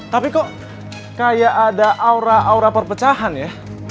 tapi kok kayak ada aura aura perpecahan ya